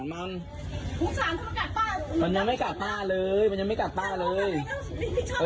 มันยังไม่กัดป้าเลยมันยังไม่กัดป้าเลย